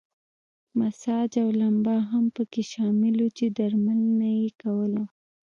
مساج او لمبا هم پکې شامل وو چې درملنه یې کوله.